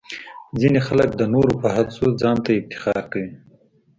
ځینې خلک د نورو په هڅو ځان ته افتخار کوي.